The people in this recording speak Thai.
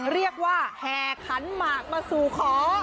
เรียกว่าแห่ขันหมากมาสู่ขอ